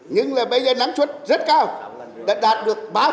nhưng bây giờ năng suất rất cao đã đạt được ba năm